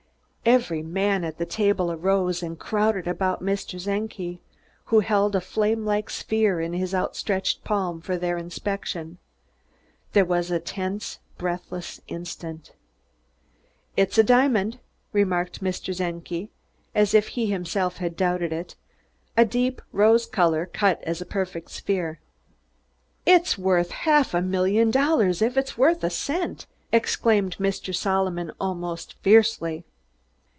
Every man at the table arose and crowded about Mr. Czenki, who held a flamelike sphere in his outstretched palm for their inspection. There was a tense, breathless instant. "It's a diamond!" remarked Mr. Czenki, as if he himself had doubted it. "A deep rose color, cut as a perfect sphere." "It's worth half a million dollars if it's worth a cent!" exclaimed Mr. Solomon almost fiercely.